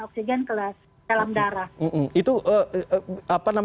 oksigen ke dalam darah